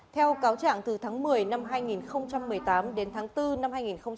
theo cáo trạng từ tháng một mươi năm hai nghìn một mươi tám đến tháng bốn năm hai nghìn một mươi chín